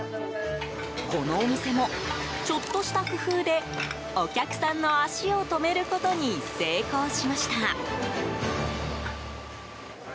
このお店も、ちょっとした工夫でお客さんの足を止めることに成功しました。